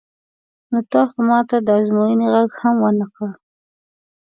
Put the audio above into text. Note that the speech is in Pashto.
نو تا خو ما ته د ازموینې غږ هم نه کړ.